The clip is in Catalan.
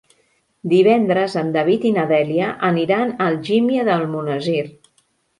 Divendres en David i na Dèlia aniran a Algímia d'Almonesir.